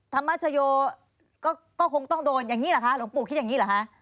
ธรรมชโยก็คงต้องโดนอย่างนี้เหรอคะหลวงปู่คิดอย่างนี้เหรอคะ